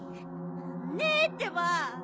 ねえってば！